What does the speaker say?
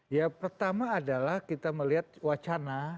ya pertama adalah kita melihat wacana